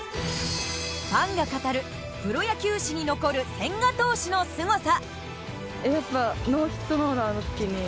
ファンが語るプロ野球史に残る千賀投手のすごさ。